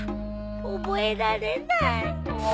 覚えられないもう。